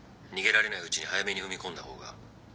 逃げられないうちに早めに踏み込んだ方が。